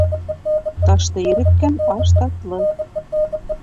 Ташты иреткән аш татлы.